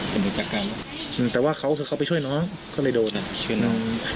เปลี่ยนง่ายแต่มันไปช่วงชุดละมุนเนอะ